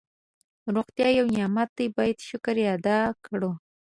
روغتیا یو نعمت ده باید شکر یې ادا کړو.